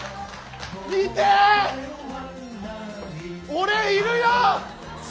俺いるよ！